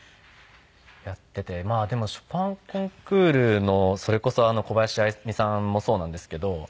やっててまあでもショパンコンクールのそれこそ小林愛実さんもそうなんですけど。